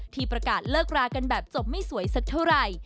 ที่ประกาศเลิกรากันแบบจบไม่สวยสักเท่าไหร่